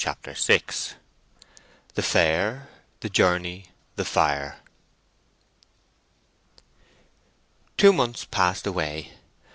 CHAPTER VI THE FAIR—THE JOURNEY—THE FIRE Two months passed away.